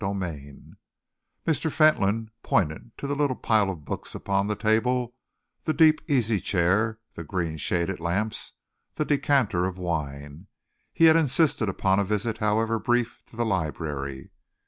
CHAPTER XXX Mr. Fentolin pointed to the little pile of books upon the table, the deep easy chair, the green shaded lamps, the decanter of wine. He had insisted upon a visit, however brief, to the library.